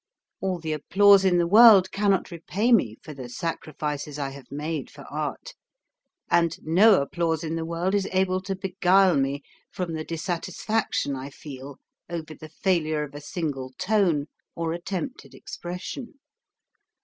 All the applause in the world cannot repay me for the sacrifices I have made for art, and no applause in the world is able to beguile me from the dissatisfaction I feel over the failure of a single tone or attempted expression.